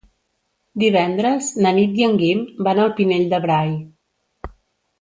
Divendres na Nit i en Guim van al Pinell de Brai.